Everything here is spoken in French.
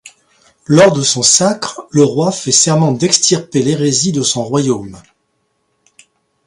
Lors de son sacre le roi fait serment d'extirper l'hérésie de son royaume.